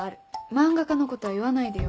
漫画家のことは言わないでよ。